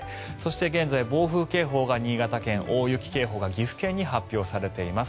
現在、暴風警報が新潟県大雪警報が岐阜県に発表されています。